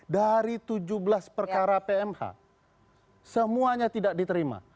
dari tujuh belas perkara pmh semuanya tidak diterima